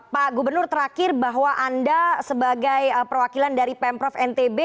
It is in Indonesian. pak gubernur terakhir bahwa anda sebagai perwakilan dari pemprov ntb